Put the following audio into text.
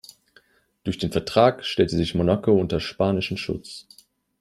Durch den Vertrag stellte sich Monaco unter spanischen Schutz.